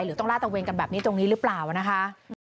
ต้องลาดตะเวนกันแบบนี้ตรงนี้หรือเปล่านะคะ